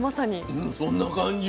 うんそんな感じ。